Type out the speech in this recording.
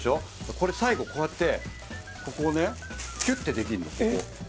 これ最後こうやってここをねキュッてできんのえっ？